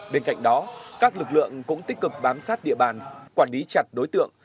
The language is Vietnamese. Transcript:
bên cạnh đó các lực lượng cũng tích cực bám sát địa bàn quản lý chặt đối tượng